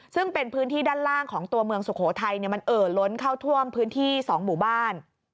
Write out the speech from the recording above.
ซึ่งเป็นพื้นที่ด้านล่างของตัวเมืองสุโขทัยมันเอ่อล้นเข้าท่วมพื้นที่๒หมู่บ้าน